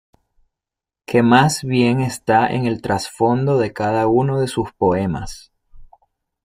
Que más bien está en el trasfondo de cada uno de sus poemas.